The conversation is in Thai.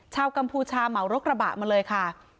กัมพูชาเหมารถกระบะมาเลยค่ะ